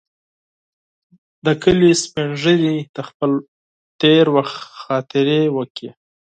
د کلي سپین ږیري د خپل تېر وخت خاطرې وکړې.